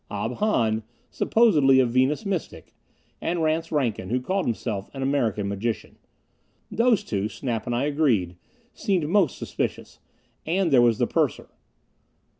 Ob Hahn, supposedly a Venus Mystic. And Rance Rankin, who called himself an American magician. Those two, Snap and I agreed, seemed most suspicious. And there was the purser.